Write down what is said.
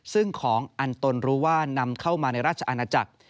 ซึ่งของอันตนรู้ว่านำเข้ามาในราชอาณาจักร